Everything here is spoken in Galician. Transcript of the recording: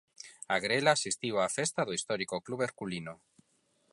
A Grela asistiu á festa do histórico club herculino.